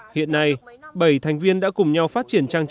hiện nay bảy thành viên đã cùng nhau phát triển chăn nuôi